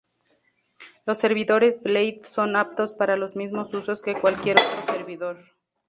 Los servidores blade son aptos para los mismos usos que cualquier otro servidor.